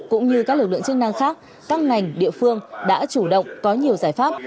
cũng như các lực lượng chức năng khác các ngành địa phương đã chủ động có nhiều giải pháp